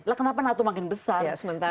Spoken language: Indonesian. lah kenapa nato makin besar